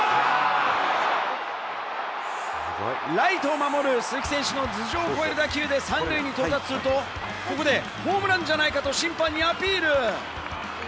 ライトを守る鈴木選手の頭上を越える打球で三塁に到達すると、ここでホームランじゃないかと審判にアピール。